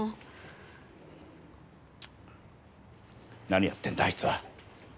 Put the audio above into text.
何やってんだあいつは。